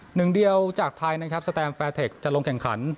หนึ่งเดียวจากไทยนะครับสแตมแฟร์เทคจะลงแข่งขัน